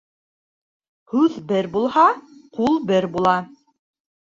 Һүҙ бер булһа, ҡул бер була.